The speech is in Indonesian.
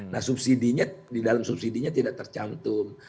nah subsidinya di dalam subsidinya tidak tercantum